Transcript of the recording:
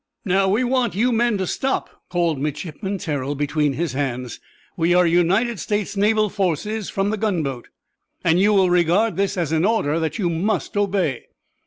"Now, we want you men to stop," called Midshipman Terrell, between his hands. "We are United States naval forces, from the gunboat, and you will regard this as an order that you must obey.